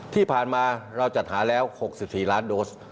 ที่ผ่านมาเราจัดหาแล้ว๖๔ล้านโดส